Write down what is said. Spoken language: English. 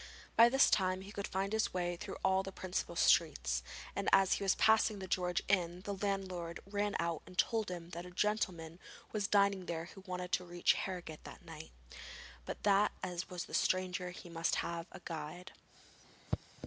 By this time he could find his way through all the principal streets, and as he was passing the George Inn, the landlord ran out and told him that a gentleman was dining there who wanted to reach Harrogate that night, but that as he was a stranger he must have a guide.